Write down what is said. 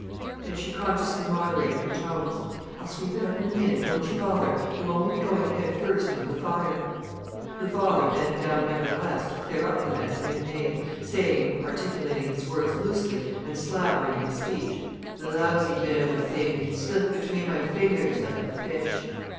Then she consciously moderated her tones. "I'll sweep it up in a minute—don't you bother; you'll only be going head first into the fire." Her father bent down nevertheless to clear up the mess he had made, saying, articulating his words loosely and slavering in his speech: "The lousy bit of a thing, it slipped between my fingers like a fish."